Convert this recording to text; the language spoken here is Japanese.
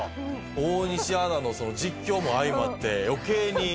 「大西アナのその実況も相まって余計に」